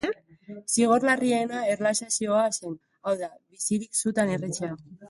Zigor larriena erlaxazioa zen, hau da, bizirik sutan erretzea.